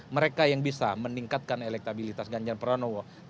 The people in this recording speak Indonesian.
mereka yang bisa meningkatkan elektabilitas ganjar para no wodan